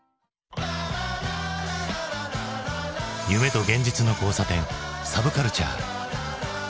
夢と現実の交差点サブカルチャー。